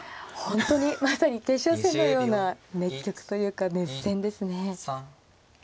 本当にまさに決勝戦のような熱局というか熱戦ですね。